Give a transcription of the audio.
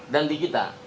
dan di kita